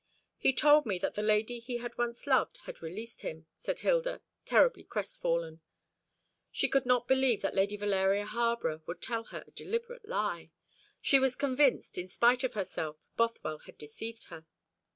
"He told me that the lady he had once loved had released him," said Hilda, terribly crestfallen. She could not believe that Lady Valeria Harborough would tell her a deliberate lie. She was convinced, in spite of herself. Bothwell had deceived her.